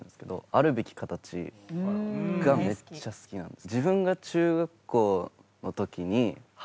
『在るべき形』がめっちゃ好きなんです。